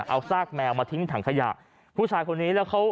เอาสากแมวมาจินบนะ